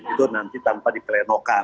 itu nanti tanpa diplenokan